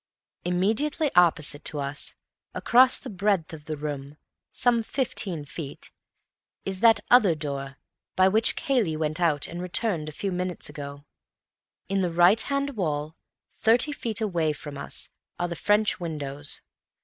Immediately opposite to us, across the breadth of the room (some fifteen feet), is that other door, by which Cayley went out and returned a few minutes ago. In the right hand wall, thirty feet away from us, are the French windows.